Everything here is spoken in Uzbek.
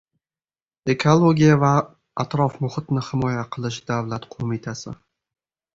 Ekologiya va atrof muhitni himoya qilish davlat qo'mitasi.